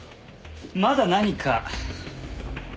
まだ何か？